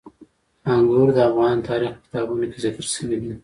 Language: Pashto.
انګور د افغان تاریخ په کتابونو کې ذکر شوي دي.